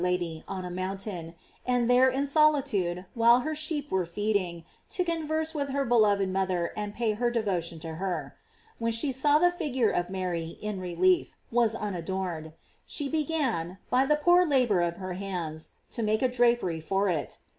65 Jady, on a mountain, and there in solitude, while her sheep were feeding, to converse with her beloved mother and pay her devotion to her. When she saw that the figure of Mary, in relief, was unadorned, she began, by the poor labor of her hands, to make a drapery for it.